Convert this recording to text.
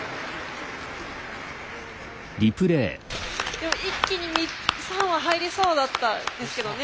でも一気に３羽入りそうだったですけどね